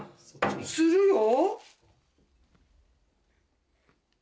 するよ。